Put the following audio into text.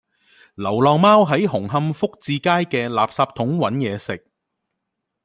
流浪貓喺紅磡福至街嘅垃圾桶搵野食